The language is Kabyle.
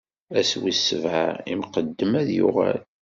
Ass wis sebɛa, lmuqeddem ad yuɣal.